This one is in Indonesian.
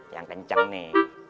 yang kenceng nih